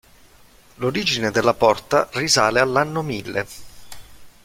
L'origine della porta risale all'anno mille.